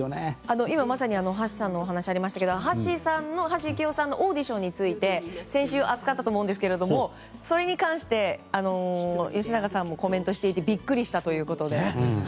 今まさに橋さんのお話がありましたが橋幸夫さんのオーディションについて先週、扱ったと思うんですがそれに関して吉永さんもコメントしていてビックリしたということで。